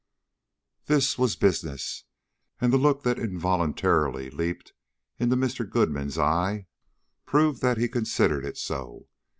This was business, and the look that involuntarily leaped into Mr. Goodman's eye proved that he considered it so.